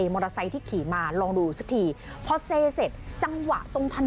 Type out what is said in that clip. มอเตอร์ไซค์ที่ขี่มาลองดูสักทีพอเซเสร็จจังหวะตรงถนน